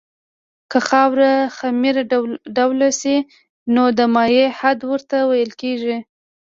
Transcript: که خاوره خمیر ډوله شي نو د مایع حد ورته ویل کیږي